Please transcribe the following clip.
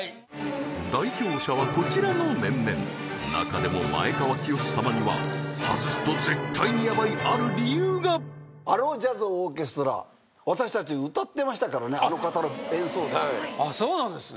代表者はこちらの面々中でも前川清様には外すと絶対にやばいある理由が私たち歌ってましたからねあの方の演奏であっそうなんですね